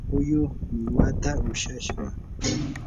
puyum millwata ushashqa.